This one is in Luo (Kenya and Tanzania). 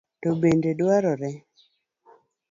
To bende dwarore